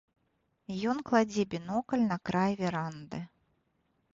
Ён кладзе бінокль на край веранды.